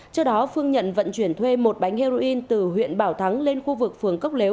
trước đó phương nhận vận chuyển thuê một bánh heroin từ huyện bảo thắng lên khu vực phường cốc lếu